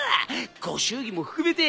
ご祝儀も含めて。